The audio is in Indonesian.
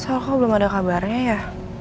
soal kamu belum ada kabarnya ya